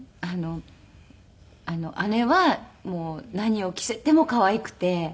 姉は何を着せても可愛くて。